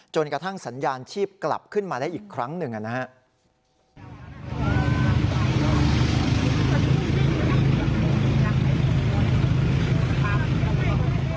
จนกระทั่งสัญญาณชีพกลับขึ้นมาได้อีกครั้งหนึ่งนะครับ